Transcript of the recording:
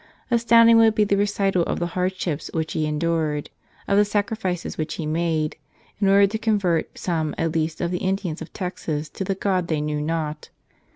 Astounding would be the recital of the hardships which he endured, of the sacrifices which he made, in order to convert some at least of the Indians of Texas to the God they knew not.